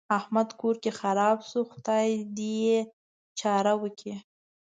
احمد کور خراپ شو؛ خدای دې يې چاره وکړي.